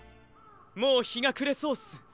もうひがくれそうっす。